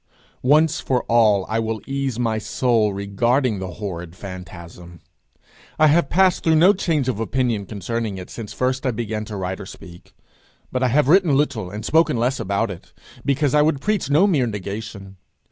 Once for all I will ease my soul regarding the horrid phantasm. I have passed through no change of opinion concerning it since first I began to write or speak; but I have written little and spoken less about it, because I would preach no mere negation.